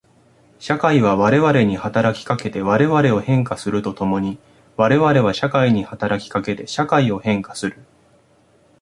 社会は我々に働きかけて我々を変化すると共に我々は社会に働きかけて社会を変化する。